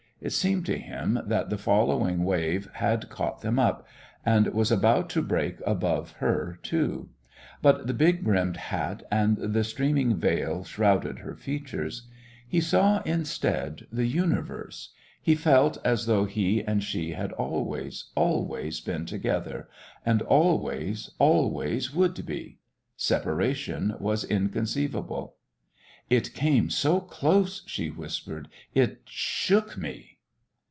It seemed to him that the following wave had caught them up, and was about to break above her, too. But the big brimmed hat and the streaming veil shrouded her features. He saw, instead, the Universe. He felt as though he and she had always, always been together, and always, always would be. Separation was inconceivable. "It came so close," she whispered. "It shook me!"